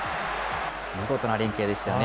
見事な連係でしたね。